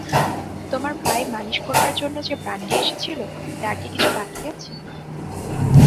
তোমার পায়ে মালিশ করবার জন্যে সেই-যে ব্রাণ্ডি এসেছিল, তার কি কিছু বাকি আছে?